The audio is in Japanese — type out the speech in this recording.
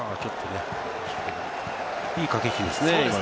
いい駆け引きですね。